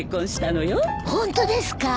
ホントですか！？